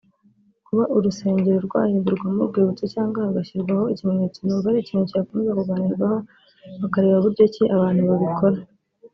kuba urusengero rwahindurwamo urwibutso cyangwa hagashyirwa ikimenyetso numva ari ikintu cyakomeza kuganirwaho bakareba buryo ki abantu babikora